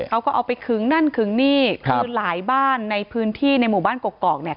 เขาก็เอาไปขึงนั่นขึงนี่คือหลายบ้านในพื้นที่ในหมู่บ้านกกอกเนี่ย